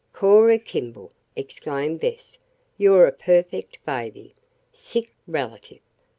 "Cora Kimball!" exclaimed Bess. "You're a perfect baby. Sick relative!